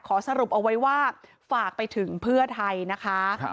สรุปเอาไว้ว่าฝากไปถึงเพื่อไทยนะคะ